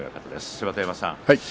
芝田山さん